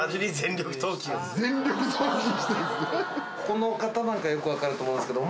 この方なんかよくわかると思うんですけど。